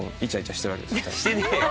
してねえよ。